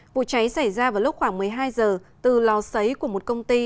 vụ cháy xảy ra vào lúc khoảng một mươi hai giờ từ lò xấy của một công ty